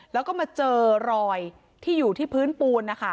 แล้วก็มาเจอรอยที่อยู่ที่พื้นปูน